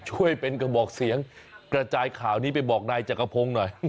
ช่วยเป็นกระบอกเสียงกระจายข่าวนี้ไปบอกนายจักรพงศ์หน่อย